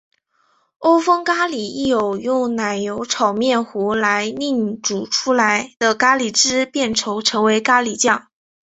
欧风咖哩亦有用奶油炒面糊来令煮出来的咖喱汁变稠成为咖喱酱。